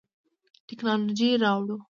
تکنالوژي راوړو.